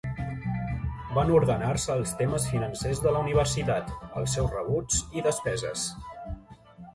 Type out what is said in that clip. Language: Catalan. Van ordenar-se els temes financers de la universitat, els seus rebuts i despeses.